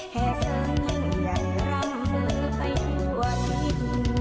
แห่เซิงยิ่งใหญ่ร่างมือไปอยู่วันที่คุณ